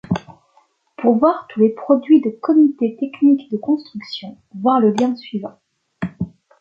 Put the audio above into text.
Pour voir tous les produits de comités techniques de construction, voir le lien suivant.